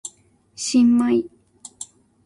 新米